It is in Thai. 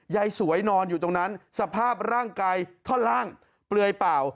ยายสวยนอนอยู่ตรงนั้นสภาพร่างกายท่อนล่างเปลือยเปล่า